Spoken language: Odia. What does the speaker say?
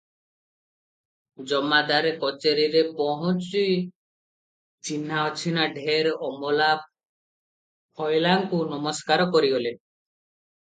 ଜମାଦାରେ କଚେରିରେ ପହୁଞ୍ଚି ଚିହ୍ନା ଅଚିହ୍ନା ଢେର ଅମଲା ଫଏଲାଙ୍କୁ ନମସ୍କାର କରିଗଲେ ।